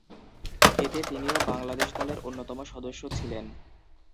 এতে তিনিও বাংলাদেশ দলের অন্যতম সদস্য ছিলেন।